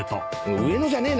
上野じゃねーな！